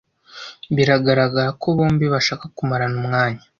Biragaragara ko bombi bashaka kumarana umwanya.